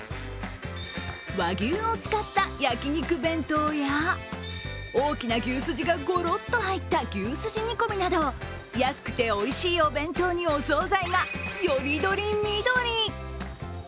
和牛を使った焼き肉弁当や大きな牛すじがごろっと入った牛すじ煮込みなど安くておいしいお弁当にお総菜がより取り見取り。